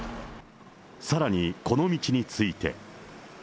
さらに、この道について。